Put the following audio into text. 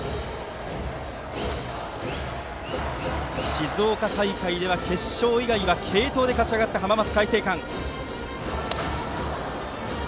静岡大会では決勝以外は継投で勝ち上がってきた浜松開誠館。